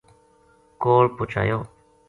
کول پوہچایو